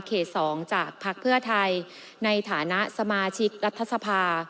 ๒จากพักเพื่อไทยในฐานะสมาชิกรัฐสภา